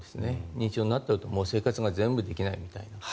認知症になっちゃうと生活が全部できないみたいな。